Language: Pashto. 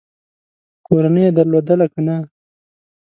کورنۍ یې درلودله که نه ؟